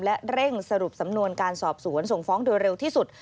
และเร่งสรุปสำนวนการสอบสวนส่งฟ้องโดยเร็วที่สุด